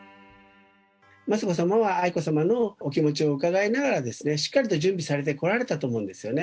雅子さまは愛子さまのお気持ちを伺いながら、しっかりと準備されてこられたと思うんですよね。